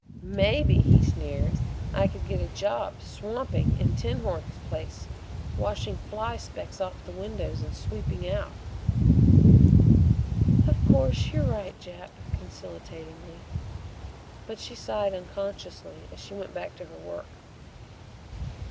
"Maybe," he sneered, "I could get a job swamping in 'Tinhorn's' place washing fly specks off the windows and sweeping out." "Of course, you're right, Jap," conciliatingly, but she sighed unconsciously as she went back to her work.